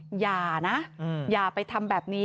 เจ้าของห้องเช่าโพสต์คลิปนี้